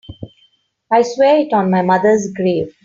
I swear it on my mother's grave.